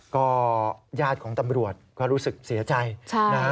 ก็ญาติของตำรวจก็รู้สึกเสียใจนะฮะ